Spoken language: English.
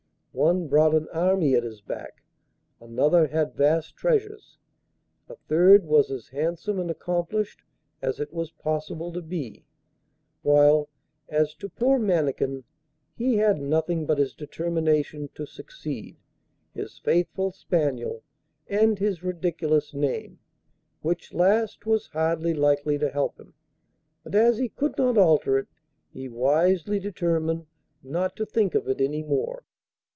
One brought an army at his back, another had vast treasures, a third was as handsome and accomplished as it was possible to be; while, as to poor Mannikin, he had nothing but his determination to succeed, his faithful spaniel, and his ridiculous name which last was hardly likely to help him, but as he could not alter it he wisely determined not to think of it any more.